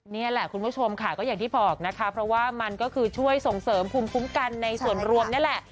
นี่แหละคุณผู้ชมค่ะก็อย่างที่บอกนะคะเพราะว่ามันก็คือช่วยส่งเสริมภูมิคุ้มกันในส่วนรวมนี่แหละ